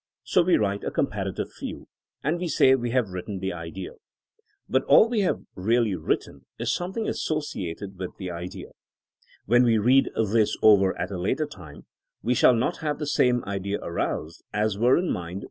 So we write a com parative few ; and we say we have written the idea. But all we have really written is some thing associated with the idea. When we read this over at a later time we shall not have the same ideas aroused as were in mind origi must be acoompanied by such a "fringe."